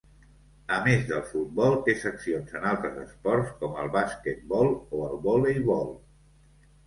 A més del futbol té seccions en altres esports com el basquetbol o el voleibol.